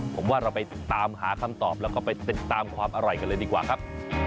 ผมว่าเราไปตามหาคำตอบแล้วก็ไปติดตามความอร่อยกันเลยดีกว่าครับ